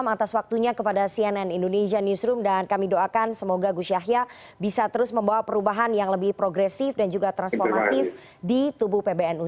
atas waktunya kepada cnn indonesia newsroom dan kami doakan semoga gus yahya bisa terus membawa perubahan yang lebih progresif dan juga transformatif di tubuh pbnu